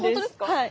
はい。